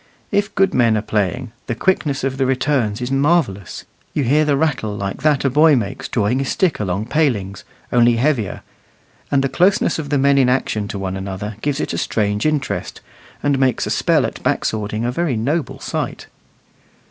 If good men are playing, the quickness of the returns is marvellous: you hear the rattle like that a boy makes drawing his stick along palings, only heavier; and the closeness of the men in action to one another gives it a strange interest, and makes a spell at back swording a very noble sight.